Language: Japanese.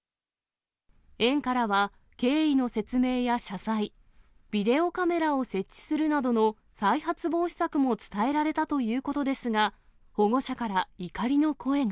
園からは、経緯の説明や謝罪、ビデオカメラを設置するなどの再発防止策も伝えられたということですが、保護者から怒りの声が。